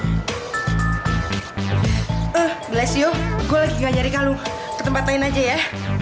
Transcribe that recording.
eh belas yuk gue lagi nggak nyari kalung ketempatan aja ya